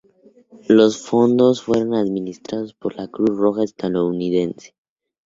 Los fondos fueron administrados por la cruz roja estadounidense.